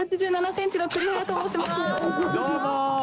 「どうも！